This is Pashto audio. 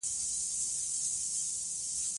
بې ترتیبه کلیمې جمله نه جوړوي.